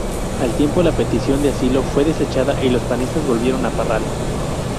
Al tiempo, la petición de asilo fue desechada y los panistas volvieron a Parral.